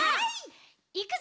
「いくぞ！」。